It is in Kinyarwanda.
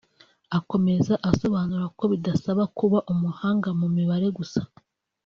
Akomeza asobanura ko bidasaba kuba umuhanga mu mibare gusa